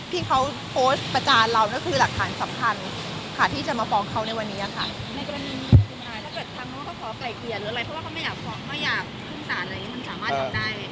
มันสามารถทำได้